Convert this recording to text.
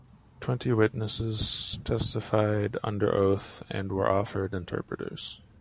Twenty witnesses testified under oath and were offered interpreters.